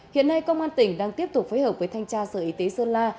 hiện nay công an tỉnh đang tiếp tục phối hợp với thanh tra sở y tế sơn la